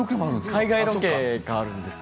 海外ロケがあるんです。